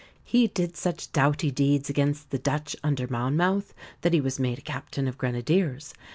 He did such doughty deeds against the Dutch, under Monmouth, that he was made a Captain of Grenadiers.